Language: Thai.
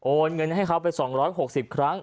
เงินให้เขาไป๒๖๐ครั้ง